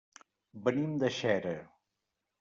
Venim de Xera.